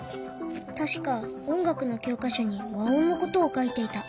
確か音楽の教科書に和音のことを書いていた。